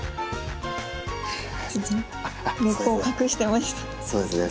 根っこを隠してました。